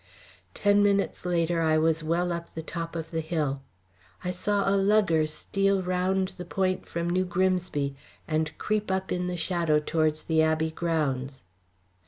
Ten minutes later I was well up the top of the hill. I saw a lugger steal round the point from New Grimsby and creep up in the shadow towards the Abbey grounds.